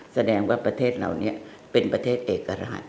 แสดงว่าประเทศเราเป็นประเทศเอกราช